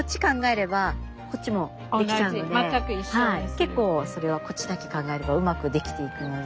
結構それはこっちだけ考えればうまく出来ていくので。